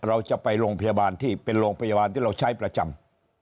เราจะไปโรงพยาบาลที่เป็นโรงพยาบาลที่เราใช้ประจำ